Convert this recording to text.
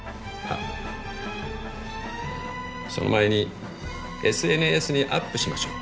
その前にＳＮＳにアップしましょう。